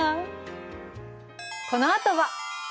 このあとは。